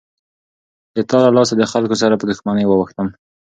د تا له لاسه دخلکو سره په دښمنۍ واوښتم.